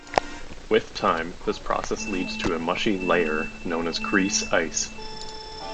With time, this process leads to a mushy surface layer, known as grease ice.